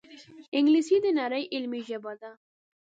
انګلیسي د نړۍ علمي ژبه ده